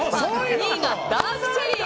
２位がダークチェリー。